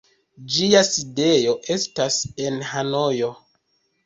Ĝia sidejo estas en Hanojo.